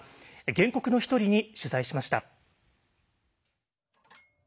原告の一人に取材しました。